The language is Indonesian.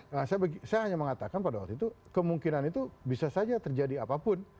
nah saya hanya mengatakan pada waktu itu kemungkinan itu bisa saja terjadi apapun